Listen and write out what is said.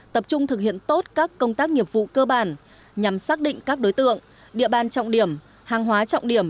tập trung thực hiện tốt các công tác nghiệp vụ cơ bản nhằm xác định các đối tượng địa bàn trọng điểm hàng hóa trọng điểm